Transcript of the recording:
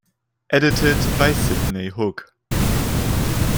Edited by Sidney Hook.